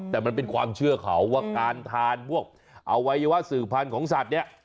แต่มันเป็นความเชื่อเขาว่าการทานพวกอวัยวะสื่อพันธุ์ของสัตว์เนี่ย